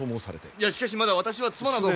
いやしかしまだ私は妻など。